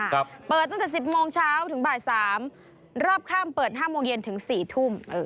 เปิดตั้งแต่สิบโมงเช้าถึงบ่ายสามรอบข้ามเปิดห้าโมงเย็นถึงสี่ทุ่มเออ